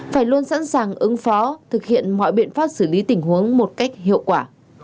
phải luôn sẵn sàng ứng phó thực hiện mọi biện pháp xử lý tình huống một cách hiệu quả